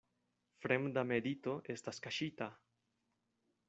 Fremda medito estas kaŝita.